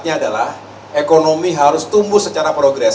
pembangunan termasuk ekonomi harus tumbuh secara progresif